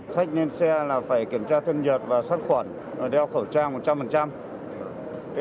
khách lên xe là phải kiểm tra thân nhật và sát khuẩn đeo khẩu trang một trăm linh